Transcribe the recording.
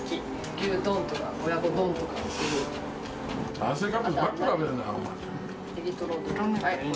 牛丼とか親子丼とか、そういう。